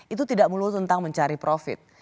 itu tidak melulu tentang mencari profit